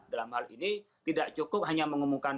dalam hal ini tidak cukup hanya mengumumkan